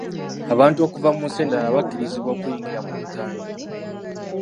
Abantu okuva mu nsi endala bakkirizibwa okuyingira mu Uganda.